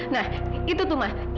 nah itu tuh mak